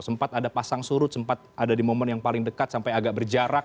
sempat ada pasang surut sempat ada di momen yang paling dekat sampai agak berjarak